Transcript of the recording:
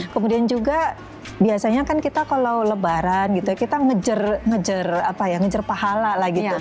kemudian juga biasanya kan kita kalau lebaran gitu ya kita ngejar apa ya ngejar pahala lah gitu